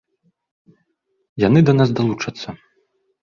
Яны да нас далучацца.